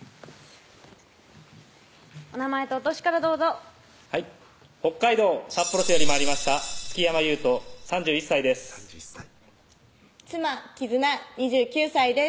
お名前とお歳からどうぞはい北海道札幌市より参りました築山祐人３１歳です妻・真如月２９歳です